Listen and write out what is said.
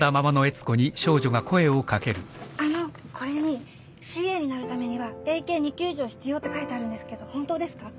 あのこれにＣＡになるためには英検２級以上必要って書いてあるんですけど本当ですか？